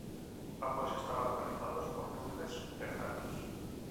Ambos estaban conectados por túneles subterráneos.